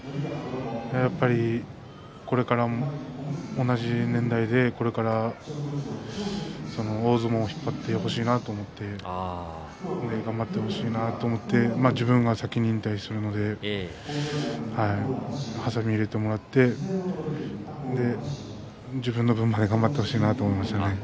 同じ年代で、これからも大相撲を引っ張ってほしいなと思って頑張ってほしいなと思って自分が先に引退をするのではさみを入れてもらって自分の分まで頑張ってほしいなと思いました。